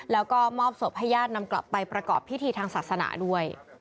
แล้วก็มอบศพให้ญาตินำกลับไปประกอบพิธีทางศาสนาด้วย